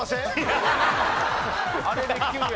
あれで９や。